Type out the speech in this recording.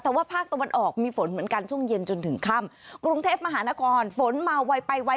แต่ว่าภาคตะวันออกมีฝนเหมือนกันช่วงเย็นจนถึงค่ำกรุงเทพมหานครฝนมาไวไปไว